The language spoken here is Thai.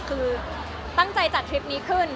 คือตั้งใจจัดทริปนี้ขึ้น